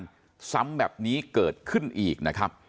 ผู้สูญเสียที่สำแบบนี้ก็เกิดขึ้นอีกนะครับ